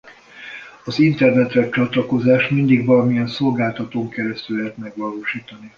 Az internetre csatlakozást mindig valamilyen szolgáltatón keresztül lehet megvalósítani.